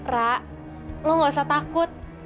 rak lo gak usah takut